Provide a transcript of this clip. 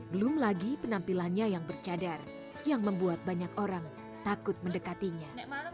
belum lagi penampilannya yang bercadar yang membuat banyak orang takut mendekatinya